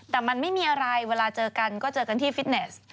แต่มันไม่มีอะไรเวลาเจอกันก็เจอกันที่ฟิตเนส